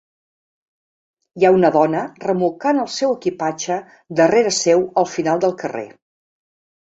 Hi ha una dona remolcant el seu equipatge darrere seu al final del carrer.